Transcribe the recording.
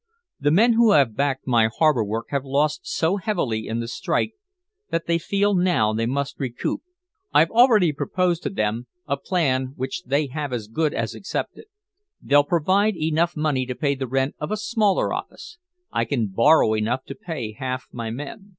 The men who have backed my harbor work have lost so heavily in the strike that they feel now they must recoup. I've already proposed to them a plan which they have as good as accepted. They'll provide enough money to pay the rent of a smaller office. I can borrow enough to pay half my men.